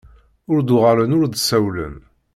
Ur d-uɣalen ur d-sawlen.